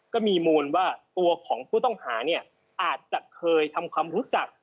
ก็มีมูลว่าตัวของผู้ต้องหาเนี่ยอาจจะเคยทำความรู้จัก